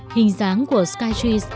hình dáng của skytrees